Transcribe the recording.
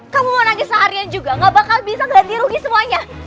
kamu mau nangis seharian juga gak bakal bisa ganti rugi semuanya